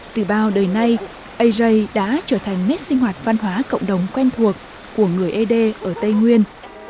từ bao đời nay aj đã trở thành nét sinh hoạt văn hóa cộng đồng quen thuộc của người ế đê ở tây nguyên